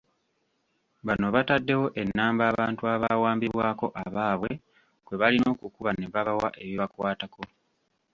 Bano bataddewo ennamba abantu abaawambibwako abaabwe kwe balina okukuba ne babawa ebibakwatako.